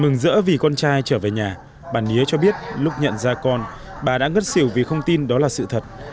mừng rỡ vì con trai trở về nhà bà nía cho biết lúc nhận ra con bà đã ngất xỉu vì không tin đó là sự thật